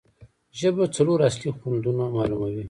ژبه څلور اصلي خوندونه معلوموي.